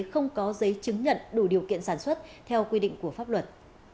không có giấy chứng nhận đủ điều kiện sản xuất theo quy định của pháp luật